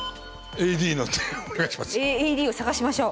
ＡＥＤを探しましょう。